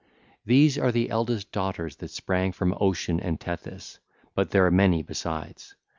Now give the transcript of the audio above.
These are the eldest daughters that sprang from Ocean and Tethys; but there are many besides.